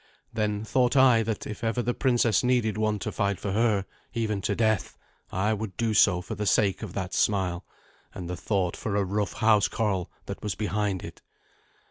Then thought I that if ever the princess needed one to fight for her, even to death, I would do so for the sake of that smile and the thought for a rough housecarl that was behind it.